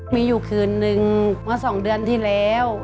มีอยู่คืนหนึ่งว่าสองเดือนที่แล้ว